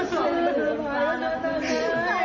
แป๊บอยู่นี่